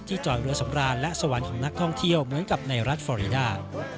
จอดเรือสำราญและสวรรค์ของนักท่องเที่ยวเหมือนกับในรัฐฟอรีดา